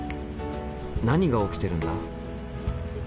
何が起きてるんだ？